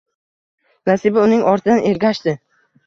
Nasiba uning ortidan ergashdi